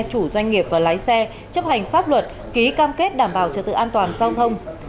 chủ doanh nghiệp và lái xe chấp hành pháp luật ký cam kết đảm bảo trật tự an toàn giao thông